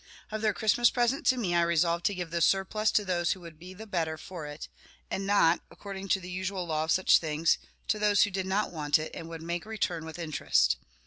Of their Christmas present to me I resolved to give the surplus to those who would be the better for it, and not (according to the usual law of such things) to those who did not want it, and would make return with interest.